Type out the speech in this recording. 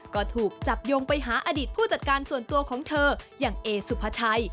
ก็ถูกจับยงไปหาอดีตผู้จัดการส่วนตัวของเธออย่างเอสุภาชัย